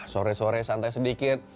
sore sore santai sedikit